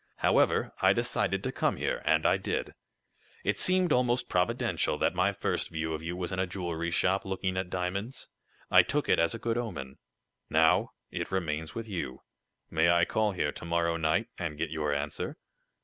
However, I decided to come here, and I did. It seemed almost providential that my first view of you was in a jewelry shop, looking at diamonds. I took it as a good omen. Now it remains with you. May I call here to morrow night, and get your answer?"